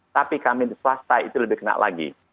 tapi kami di swasta itu lebih kena lagi